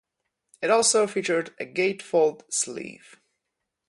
It also featured a gatefold sleeve.